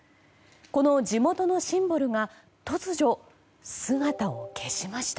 この地元のシンボルが突如、姿を消しました。